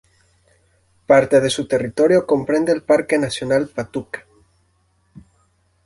Parte de su territorio comprende el Parque Nacional Patuca.